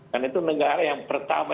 karena itu negara yang pertama